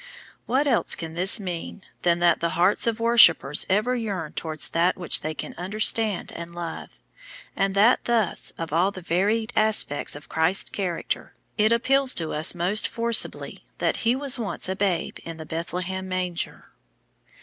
What else can this mean than that the hearts of worshippers ever yearn towards that which they can understand and love, and that thus, of all the varied aspects of Christ's character, it appeals to us most forcibly that He was once a babe in the Bethlehem manger.